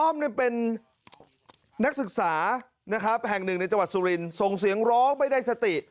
เป็นนักศึกษานะครับแห่งหนึ่งในจังหวัดสุรินส่งเสียงร้องไม่ได้สติ